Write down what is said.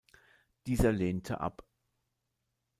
Dieser lehnte ab.